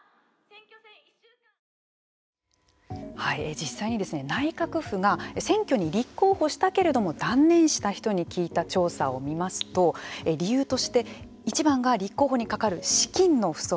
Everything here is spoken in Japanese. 実際に内閣府が選挙に立候補したけれども断念した人に聞いた調査を見ますと理由として、１番が立候補にかかる資金の不足。